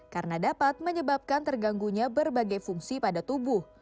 karena dapat menyebabkan terganggunya berbagai fungsi pada tubuh